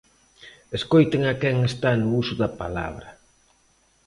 Escoiten a quen está no uso da palabra.